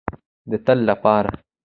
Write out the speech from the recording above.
د تل لپاره.